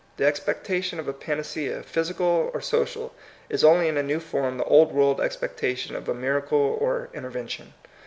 The expectation of a panacea, physical or social, is only in a new form the old world expectation of a miracle or intervention.